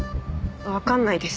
わかんないです。